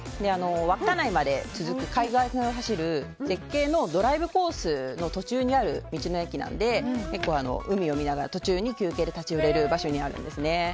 稚内まで続く海岸が走る絶景のドライブコースの途中にある道の駅なので、海を見ながら途中に休憩で立ち寄れる場所になるんですね。